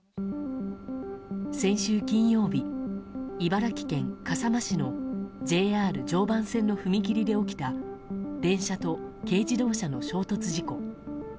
先週金曜日、茨城県笠間市のＪＲ常磐線の踏切で起きた電車と軽自動車の衝突事故。